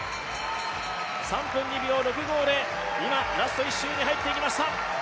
３分２秒６５でラスト１周に入っていきました。